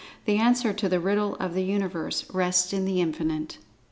The answer to the Riddle of the Universe rests with The Infinite.